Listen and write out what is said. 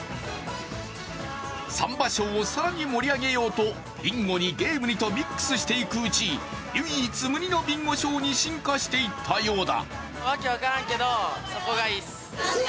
サンバショーを更に盛り上げようとビンゴにゲームにとミックスしていくうち唯一無二のビンゴショーに進化していったようだ。